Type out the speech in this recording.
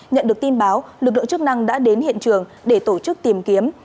nhận được tin báo lực lượng chức năng đã đến hiện trường để tổ chức tìm kiếm